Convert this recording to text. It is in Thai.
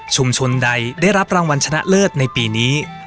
ใดได้รับรางวัลชนะเลิศในปีนี้